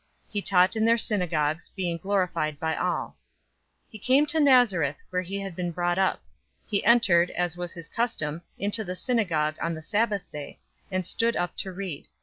004:015 He taught in their synagogues, being glorified by all. 004:016 He came to Nazareth, where he had been brought up. He entered, as was his custom, into the synagogue on the Sabbath day, and stood up to read.